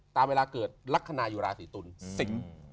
ตามเวลาเกิดรัฐคณะอยู่ราศีสิงห์